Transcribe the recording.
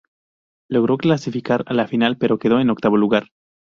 Logró clasificar a la final, pero quedó en octavo lugar.